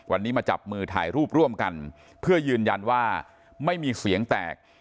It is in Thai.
วันนี้มาจับมือถ่ายรูปร่วมกันเพื่อยืนยันว่าไม่มีเสียงแตก